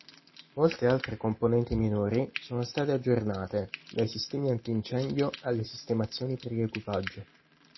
Molte altre componenti minori sono state aggiornate, dai sistemi antincendio alle sistemazioni per l'equipaggio.